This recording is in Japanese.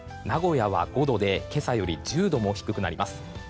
名古屋は５度で今朝より１０度も低くなります。